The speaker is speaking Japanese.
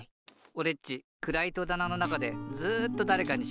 おれっちくらいとだなのなかでずっとだれかにしがみついてた。